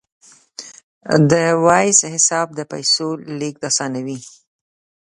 د وایز حساب د پیسو لیږد اسانوي.